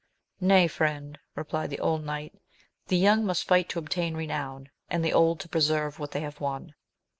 Nay, friend, replied the old knight, the young must fight to obtain renown, and the old to preserve what they have won.